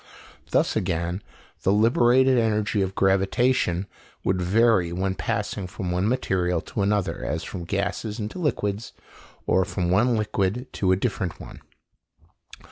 Thus again the liberated energy of gravitation would vary when passing from one material to another, as from gases into liquids, or from one liquid to a different one.